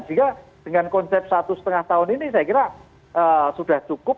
sehingga dengan konsep satu setengah tahun ini saya kira sudah cukup